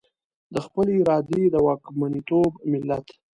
د خپلې ارادې د واکمنتوب ملت.